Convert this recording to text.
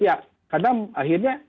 ya karena akhirnya